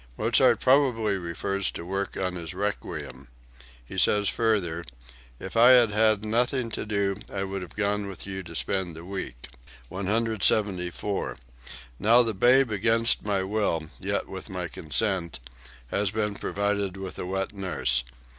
Mozart probably refers to work on his "Requiem." He says further: "If I had had nothing to do I would have gone with you to spend the week.") 174. "Now the babe against my will, yet with my consent, has been provided with a wet nurse.